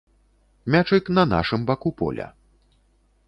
Мячык на нашым баку поля.